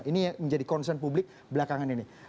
ini yang menjadi concern publik belakangan ini